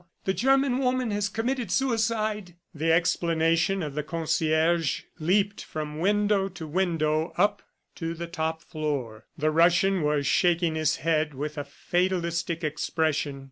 "The German woman has committed suicide." The explanation of the concierge leaped from window to window up to the top floor. The Russian was shaking his head with a fatalistic expression.